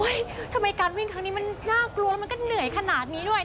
ทำไมการวิ่งครั้งนี้มันน่ากลัวแล้วมันก็เหนื่อยขนาดนี้ด้วย